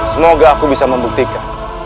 semoga aku bisa membuktikan